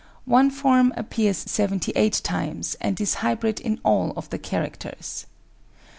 One form appears 78 times and is hybrid in all of the characters.